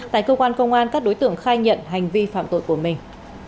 tại cơ quan công an các đối tượng khai nhận hành vi phạm tội của mình